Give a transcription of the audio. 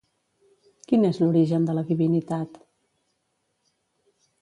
Quin és l'origen de la divinitat?